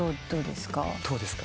「どうですか？」